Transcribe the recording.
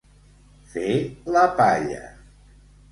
Fer la palla.